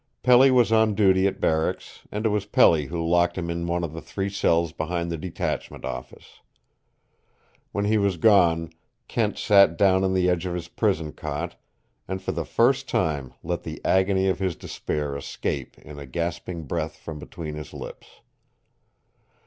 Pelly was on duty at barracks, and it was Pelly who locked him in one of the three cells behind the detachment office. When he was gone, Kent sat down on the edge of his prison cot and for the first time let the agony of his despair escape in a gasping breath from between his lips.